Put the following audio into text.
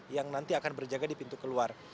yang nanti akan berjaga di pintu keluar